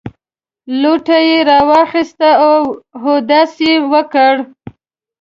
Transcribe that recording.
لوټه یې راواخیسته او اودس یې وکړ.